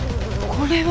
これは。